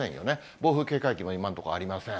暴風警戒域も今のところありません。